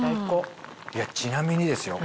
ちなみにですよ